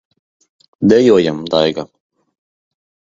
Dejojam, Daiga!